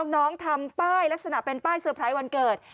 ทำป้ายลักษณะเป็นป้ายเซอร์ไพรส์วันเกิด